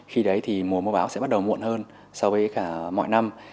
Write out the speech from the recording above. khi đấy thì mùa mưa bão sẽ bắt đầu muộn hơn so với cả mọi năm